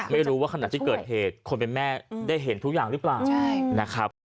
ไม่รู้ว่าขณะที่เกิดเหตุคนเป็นแม่ได้เห็นทุกอย่างหรือเปล่านะครับ